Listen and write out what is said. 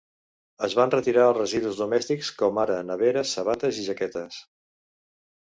Es van retirar els residus domèstics, com ara neveres, sabates i jaquetes.